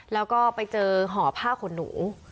แล้วก็ไปเจอห่อผ้าขนหนู